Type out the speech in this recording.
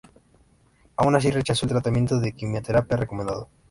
Aun así rechazó el tratamiento de quimioterapia recomendado.